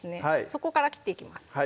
そこから切っていきます